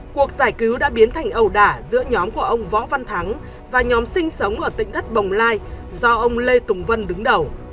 cuộc giải cứu đã biến thành ẩu đả giữa nhóm của ông võ văn thắng và nhóm sinh sống ở tỉnh thất bồng lai do ông lê tùng vân đứng đầu